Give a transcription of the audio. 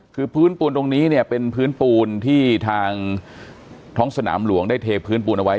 คือพื้นปูนตรงนี้เนี่ยเป็นพื้นปูนที่ทางท้องสนามหลวงได้เทพื้นปูนเอาไว้